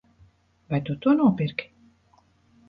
Vai tu to nopirki?